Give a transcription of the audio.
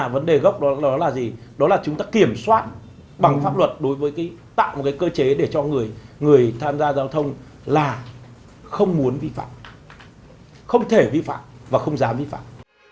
vấn đề gốc đó là gì đó là chúng ta kiểm soát bằng pháp luật đối với tạo một cơ chế để cho người tham gia giao thông là không muốn vi phạm không thể vi phạm và không dám vi phạm